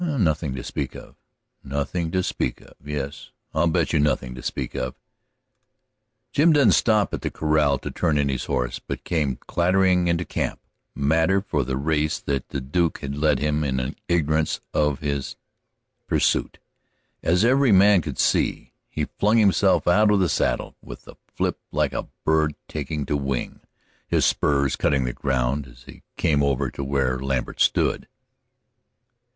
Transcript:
"Nothing to speak of." "Nothing to speak of! Yes, I'll bet you nothing to speak of!" Jim didn't stop at the corral to turn in his horse, but came clattering into camp, madder for the race that the Duke had led him in ignorance of his pursuit, as every man could see. He flung himself out of the saddle with a flip like a bird taking to the wing, his spurs cutting the ground as he came over to where Lambert stood.